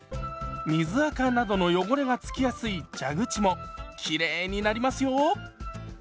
水あかなどの汚れがつきやすい蛇口もきれいになりますよ。